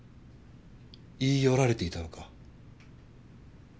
言い寄られていたのか？